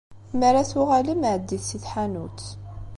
Mi ara tuɣalem, ɛeddit si tḥanut.